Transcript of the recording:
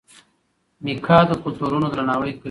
میکا د کلتورونو درناوی کوي.